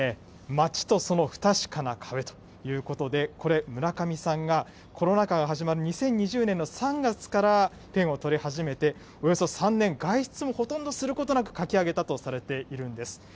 街とその不確かな壁ということで、これ、村上さんが、コロナ禍が始まる２０２０年の３月からペンをとり始めて、およそ３年、外出もほとんどすることなく書き上げたとされているんです。